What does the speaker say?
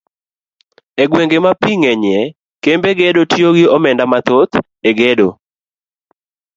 E gwenge ma pii ng'enyie, kembe gedo tiyo gi omenda mathoth e gedo.